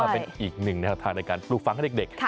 เป็นอีกหนึ่งแนวทางในการปลูกฟังให้เด็ก